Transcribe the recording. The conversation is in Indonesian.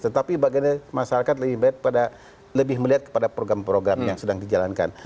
tetapi bagaimana masyarakat lebih melihat kepada program program yang sedang dijalankan